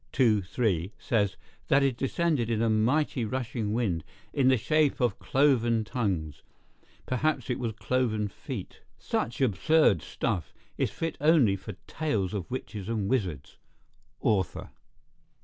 2, 3, says, that it descended in a mighty rushing wind, in the shape of cloven tongues: perhaps it was cloven feet. Such absurd stuff is fit only for tales of witches and wizards.—Author.